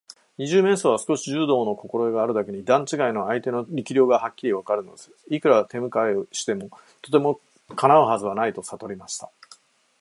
二十面相は少し柔道のこころえがあるだけに、段ちがいの相手の力量がはっきりわかるのです。いくら手むかいしてみても、とてもかなうはずはないとさとりました。